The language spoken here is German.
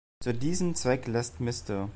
Zu diesem Zweck lässt Mr.